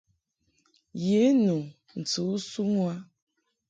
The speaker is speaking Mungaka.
Ye nu ntɨ u suŋ u a.